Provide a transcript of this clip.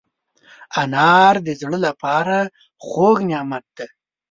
انار د زړه له پاره خوږ نعمت دی.